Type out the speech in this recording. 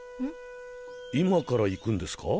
今から行くんですか？